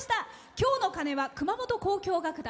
今日の鐘は熊本交響楽団